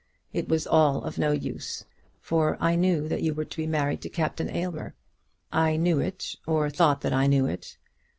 It was all of no use, for I knew that you were to be married to Captain Aylmer. I knew it, or thought that I knew it.